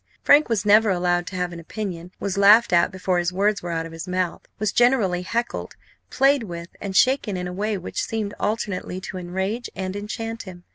Frank was never allowed to have an opinion; was laughed at before his words were out of his mouth; was generally heckled, played with, and shaken in a way which seemed alternately to enrage and enchant him.